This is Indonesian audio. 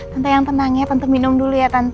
tante yang tenang ya tante minum dulu ya tante